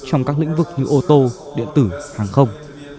trong các lĩnh vực như ô tô điện tử hàng không